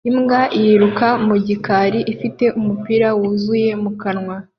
Imbwa yiruka mu gikari ifite umupira wuzuye mu kanwa